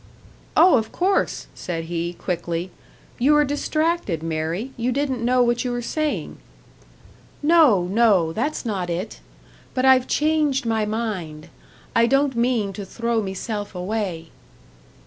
"Oh, of course!" said he, quickly. "You were distracted, Mary you didn't know what you were saying." "No, no! That's not it! But I've changed my mind; I don't mean to throw meself away."